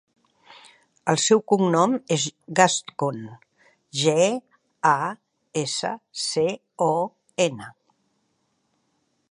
El seu cognom és Gascon: ge, a, essa, ce, o, ena.